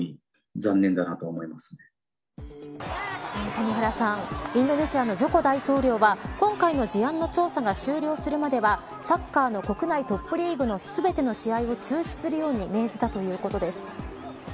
谷原さん、インドネシアのジョコ大統領は今回の事案の調査が終了するまではサッカーの国内トップリーグの全ての試合を中止するように命じたということです。